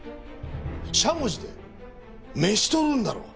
しゃもじで「めしとる」んだろう。